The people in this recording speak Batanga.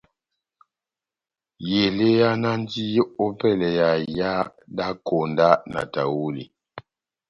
Elé ehánandi ópɛlɛ ya iha dá konda na tahuli.